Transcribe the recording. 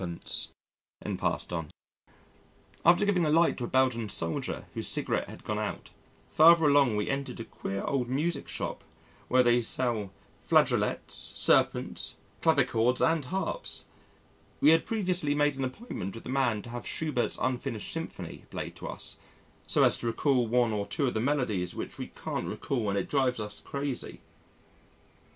and passed on.... After giving a light to a Belgian soldier whose cigarette had gone out, farther along we entered a queer old music shop where they sell flageolets, serpents, clavichords, and harps. We had previously made an appointment with the man to have Schubert's Unfinished Symphony played to us, so as to recall one or two of the melodies which we can't recall and it drives us crazy.